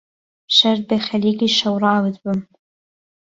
شەرت بێ خهریکی شهو ڕاوتبم